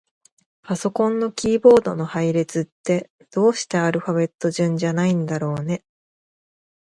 パソコンのキーボードの配列って、どうしてアルファベット順じゃないんだろうね。